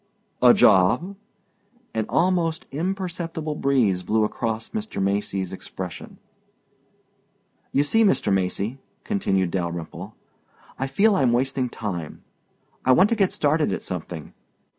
"A job?" An almost imperceptible breeze blew across Mr. Macy's expression. "You see, Mr. Macy," continued Dalyrimple, "I feel I'm wasting time. I want to get started at something.